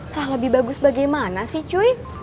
sah lebih bagus bagaimana sih cuy